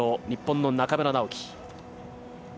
日本の中村直幹。